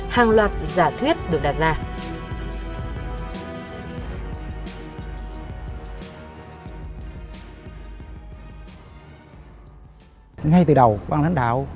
hàng loạt giả thuyết được đặt ra